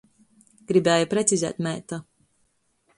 Gribēja precizēt meita.